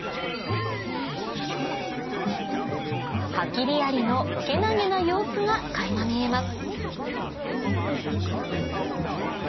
ハキリアリのけなげな様子が垣間見えます